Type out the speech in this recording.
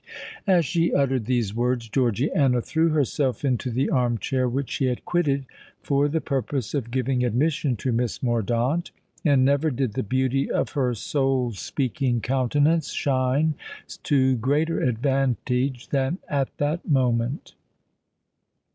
As she uttered these words, Georgiana threw herself into the arm chair which she had quitted for the purpose of giving admission to Miss Mordaunt; and never did the beauty of her soul speaking countenance shine to greater advantage than at that moment.